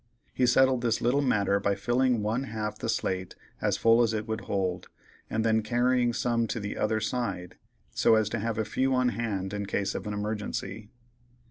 He settled this little matter by filling one half the slate as full as it would hold, and then carrying some to the other side, so as to have a few on hand in case of any emergency.